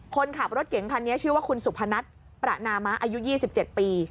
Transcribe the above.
คนขับรถเก๋งคันนี้ชื่อว่าคุณสุพนัทประนามะอายุ๒๗ปี